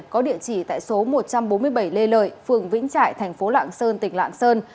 có địa chỉ tại số một trăm bốn mươi bảy lê lợi phường vĩnh trại thành phố lạng sơn tỉnh lạng sơn